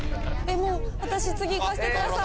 もう私、次、いかせてください！